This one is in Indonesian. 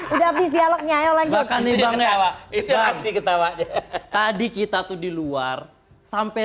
udah habis dialognya ayo lanjutkan nih bang dewa itu pasti ketawa tadi kita tuh di luar sampai